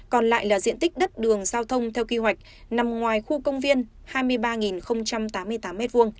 còn lại là diện tích đất đường giao thông theo kế hoạch nằm ngoài khu công viên hai mươi ba tám mươi tám m hai